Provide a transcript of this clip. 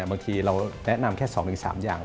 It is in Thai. บางทีเราแนะนำแค่๒๓อย่าง